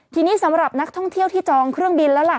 ทีนี้สำหรับนักท่องเที่ยวที่จองเครื่องบินแล้วล่ะ